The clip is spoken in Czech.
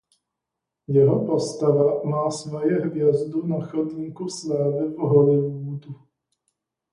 Jeho postava má svoji hvězdu na chodníku slávy v Hollywoodu.